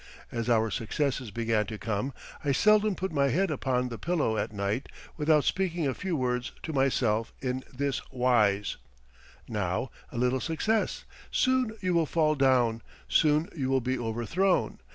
As our successes began to come, I seldom put my head upon the pillow at night without speaking a few words to myself in this wise: "Now a little success, soon you will fall down, soon you will be overthrown.